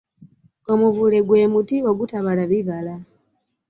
Omuvule gwe muti ogutabala bibala.